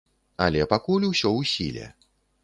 Але пакуль усё ў сіле.